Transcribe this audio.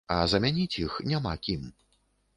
А замяніць іх няма кім.